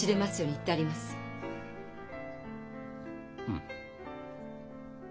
うん。